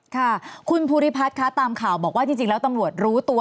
ค่ะคุณภูริพัฒน์คะตามข่าวบอกว่าจริงแล้วตำรวจรู้ตัว